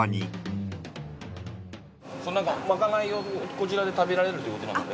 まかないをこちらで食べられるということなので。